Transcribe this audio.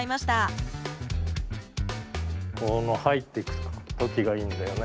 この入ってく時がいいんだよね。